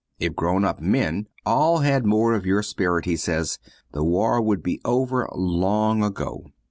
If grown up men all had more of your spirit, he says, the war would be over long ago.